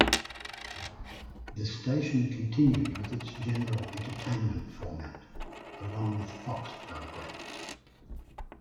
The station continued with its general entertainment format, along with Fox programs.